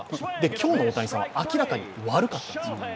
今日の大谷さんは、明らかに悪かったんですよ。